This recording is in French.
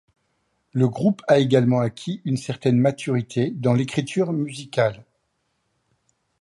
Le groupe a également acquis une certaine maturité dans l’écriture musicale.